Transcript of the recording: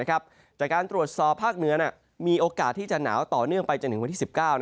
จากการตรวจสอบภาคเหนือมีโอกาสที่จะหนาวต่อเนื่องไปจนถึงวันที่๑๙